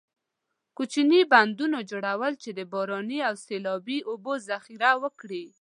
کوچنۍ بندونو جوړول چې د باراني او سیلابي اوبو ذخیره وکړي.